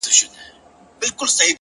هره تجربه د پوهې نوی اړخ څرګندوي،